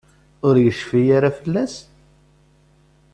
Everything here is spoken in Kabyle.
Ur yecfi ara fell-as?